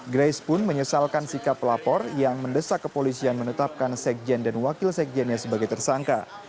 grace pun menyesalkan sikap pelapor yang mendesak kepolisian menetapkan sekjen dan wakil sekjennya sebagai tersangka